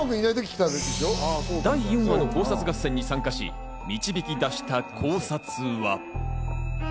第４話の考察合戦に参加し導き出した考察は。